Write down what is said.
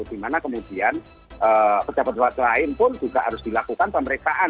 dimana kemudian pejabat pejabat lain pun juga harus dilakukan pemeriksaan